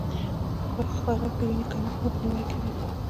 د غوښې خوراک د وینې کمښت مخنیوی کوي.